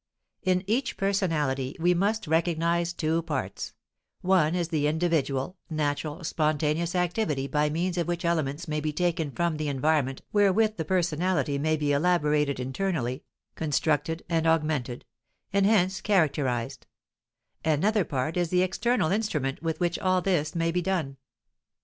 In each personality we must recognize two parts: one is the individual, natural, spontaneous activity by means of which elements may be taken from the environment wherewith the personality may be elaborated internally, constructed and augmented, and hence characterized; another part is the external instrument with which all this may be done.